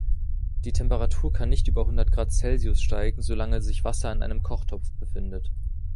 Die Temperatur kann nicht über hundert Grad Celsius steigen, solange sich Wasser in einem Kochtopf befindet.